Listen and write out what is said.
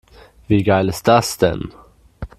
Wie geil ist das denn?